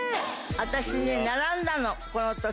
私ね並んだのこの時。